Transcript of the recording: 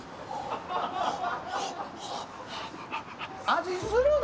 味するの？